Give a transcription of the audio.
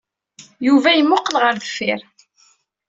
Yuba yemmuqqel ɣer deffir.